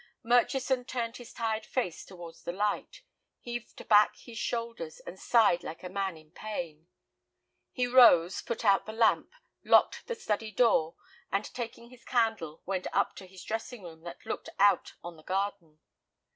Murchison turned his tired face towards the light, heaved back his shoulders, and sighed like a man in pain. He rose, put out the lamp, locked the study door, and taking his candle went up to his dressing room that looked out on the garden.